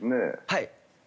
はい。